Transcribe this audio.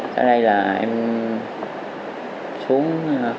sau đây là em xuống